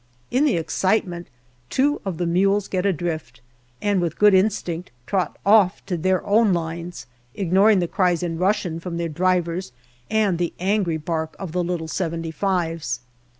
In the excitement two of the mules get adrift, and with good instinct trot off to their own lines, ignoring the cries in Russian from their drivers and the angry bark of the little " 75's."